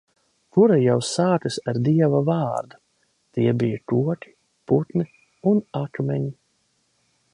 Kura jau sākas ar Dieva vārdu, tie bija koki, putni un akmeņi...